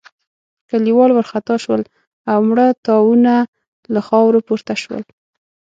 کليوال وارخطا شول او مړه تاوونه له خاورو پورته شول.